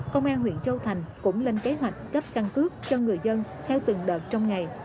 công an huyện châu thành cũng lên kế hoạch cấp căn cước cho người dân theo từng đợt trong ngày